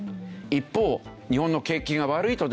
一方日本の景気が悪いとですね